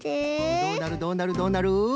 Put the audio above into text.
どうなるどうなるどうなる？